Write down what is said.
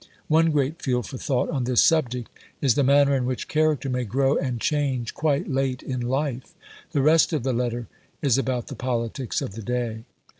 One great field for thought on this subject is the manner in which character may grow and change quite late in life.... [The rest of the letter is about the politics of the day.